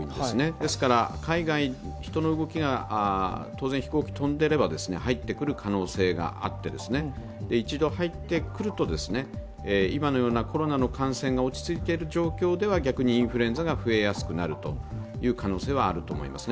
ですから、人の動きが、当然飛行機が飛んでいれば入ってくる可能性があって一度入ってくると、今のようなコロナの感染が落ち着いている状況では逆にインフルエンザが増えやすくなる可能性はありますね。